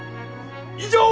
以上！